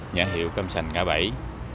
nhãn hiệu cam sành ngã bẫy